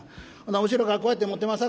後ろからこうやって持ってます